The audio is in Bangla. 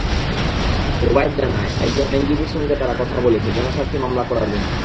রোবায়েত জানায়, একজন আইনজীবীর সঙ্গে তারা কথা বলেছে জনস্বার্থে মামলা করার জন্য।